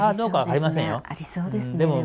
ありそうですねでも。